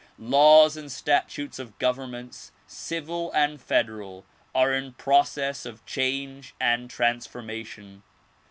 Laws and statutes of governments civil and federal are in process of change and transformation.